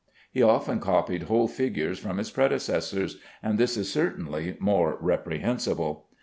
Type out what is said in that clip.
He often copied whole figures from his predecessors, and this is certainly more reprehensible.